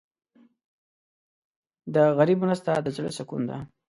د غریب مرسته د زړه سکون ده.